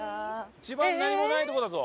一番何もないとこだぞ！